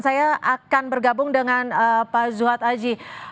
saya akan bergabung dengan pak zuhad aji